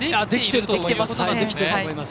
できていると思います。